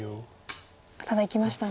ただいきました。